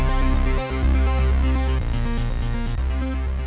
ไม่ต้องการเงินจากคุณเตรียมชัย